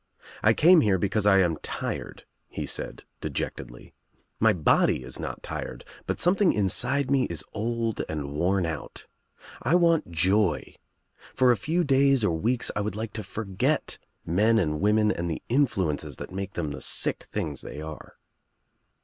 "I came here because I am tired," he said dejectedly. "My body is not tired but something inside me is old and worn out, I want joy. For a few days or weeks I would like to forget men and women and the influences that make them the sick things they are."